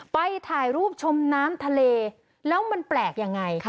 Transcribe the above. ไปถ่ายรูปชมน้ำทะเลแล้วมันแปลกยังไง